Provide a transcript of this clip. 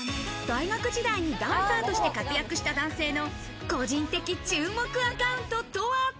大学時代にダンサーとして活躍した男性の個人的注目アカウントとは？